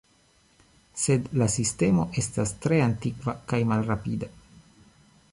Sed la sistemo estas tre antikva kaj malrapida.